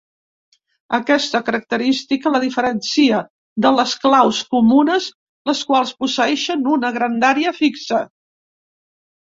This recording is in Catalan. Aquesta característica la diferència de les claus comunes les quals posseeixen una grandària fixa.